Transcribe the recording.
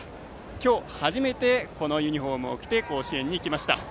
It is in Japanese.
今日、初めてこのユニフォームを着て甲子園に来ました。